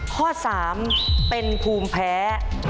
ข้อ๓เป็นภูมิแพ้